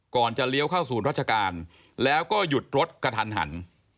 จะเลี้ยวเข้าศูนย์ราชการแล้วก็หยุดรถกระทันหัน